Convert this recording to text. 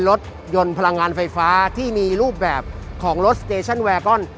รถยนต์พลังงานไฟฟ้าที่มีรูปแบบของรถสเตชั่นแวร์กอน